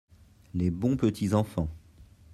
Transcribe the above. les bons petits enfants.